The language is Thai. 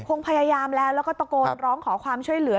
คงพยายามแล้วแล้วก็ตะโกนร้องขอความช่วยเหลือ